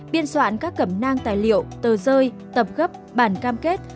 biên soạn các cẩm nang tài liệu tờ rơi tập gấp bản cam kết